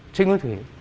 trịnh nguyên thủy